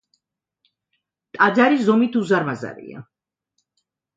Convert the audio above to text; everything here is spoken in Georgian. ტაძარი ზომით უზარმაზარია.